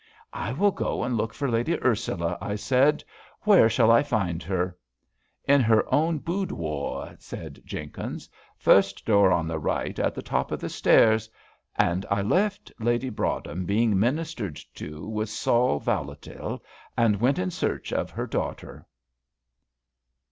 "I will go and look for Lady Ursula," I said; "where shall I find her?" "In her own 'boudwore,'" said Jenkins "first door on the right, at the top of the stairs," and I left Lady Broadhem being ministered to with sal volatile, and went in search of her daughter.